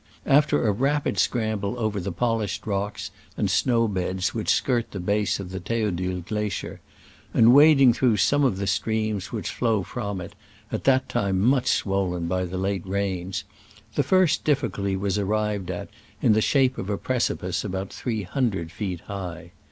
After a rapid scramble over the polished rocks and snow beds which skirt the base of the Theodule glacier, and wading through some of the streams which flow from it, at that time much swollen by the late rains, the first dif ficulty was arrived at, in the shape of a precipice about three hundred feet high.